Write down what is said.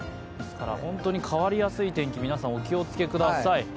本当に変わりやすい天気、皆さんお気を付けください。